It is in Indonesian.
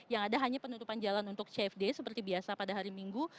yang ada hanya penutupan jalan untuk cfd seperti biasa pada hari minggu